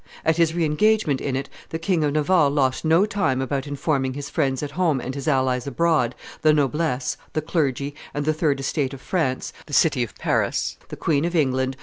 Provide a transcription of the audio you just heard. At his re engagement in it, the King of Navarre lost no time about informing his friends at home and his allies abroad, the noblesse, the clergy, and the third estate of France, the city of Paris, the Queen of England.